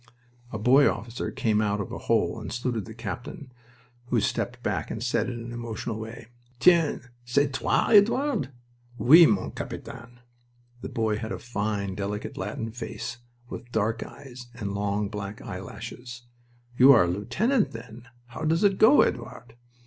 A boy officer came up out of a hole and saluted the captain, who stepped back and said, in an emotional way: "Tiens! C'est toi, Edouard?" "Oui, mon Capitaine." The boy had a fine, delicate, Latin face, with dark eyes and long, black eyelashes. "You are a lieutenant, then? How does it go, Edouard?"